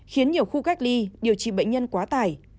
khiến nhiều khu cách ly điều trị bệnh nhân quá tải